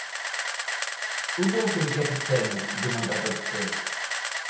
Où donc est le capitaine? demanda Godfrey.